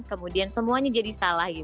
kemudian semuanya jadi salah